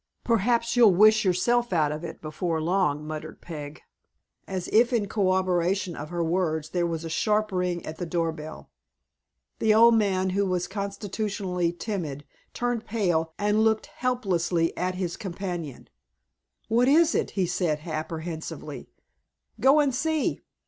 "Perhaps you'll wish yourself out of it before long," muttered Peg. As if in corroboration of her words, there was a sharp ring at the door bell. The old man, who was constitutionally timid, turned pale, and looked helplessly at his companion. "What is it?" he asked, apprehensively. "Go and see."